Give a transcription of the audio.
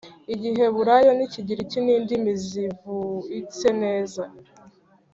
igiheburayo n ikigiriki nindimi zivuitse neza